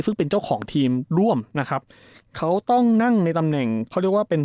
ซึ่งเป็นเจ้าของทีมร่วมนะครับเขาต้องนั่งในตำแหน่งเขาเรียกว่าเป็น